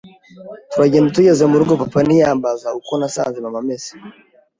turagenda tugeze mu rugo papa ntiyambaza uko nasanze mama ameze